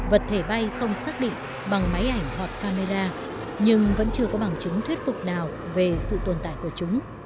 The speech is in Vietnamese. vật thể bay không xác định bằng máy ảnh hoặc camera nhưng vẫn chưa có bằng chứng thuyết phục nào về sự tồn tại của chúng